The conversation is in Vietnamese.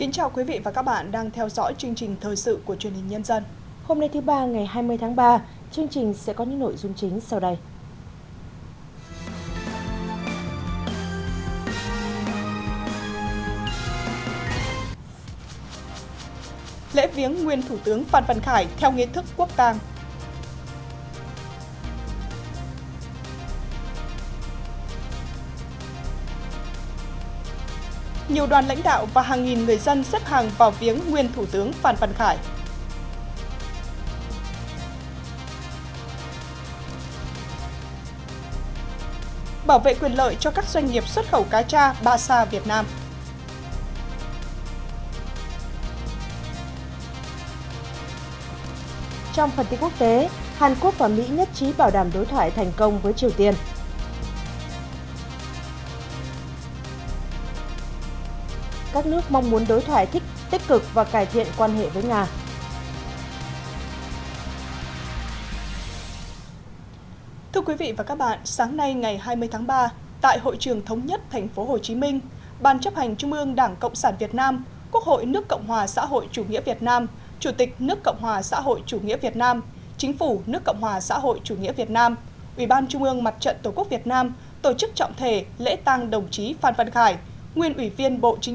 các bạn hãy đăng ký kênh để ủng hộ kênh của chúng mình nhé